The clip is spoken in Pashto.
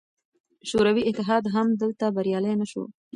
شوروي اتحاد هم دلته بریالی نه شو.